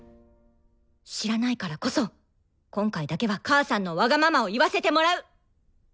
知らないからこそ今回だけは母さんのワガママを言わせてもらう！